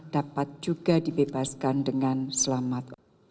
dapat juga dibebaskan dengan selamat